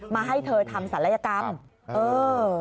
มาให้เธอทำศัลยกรรมเออ